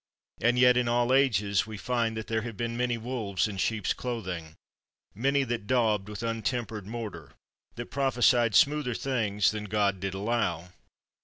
And yet, in all ages, we find that there have been many wolves in sheep's clothing, many that daubed with untempered mortar, that prophesied smooth er things than God did allow.